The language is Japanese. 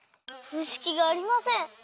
むしきがありません。